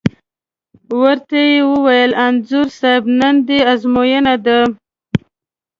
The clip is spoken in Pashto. ور ته یې وویل: انځور صاحب نن دې ازموینه ده.